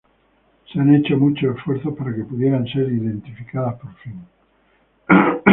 Se han hecho muchos esfuerzos para que pudieran ser identificadas por fin.